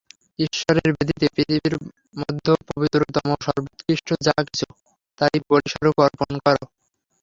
ঈশ্বরের বেদীতে পৃথিবীর মধ্যে পবিত্রতম ও সর্বোৎকৃষ্ট যা কিছু, তাই বলিস্বরূপ অর্পণ কর।